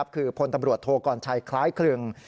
คือพลตำรวจโทกรชัยคล้ายครึง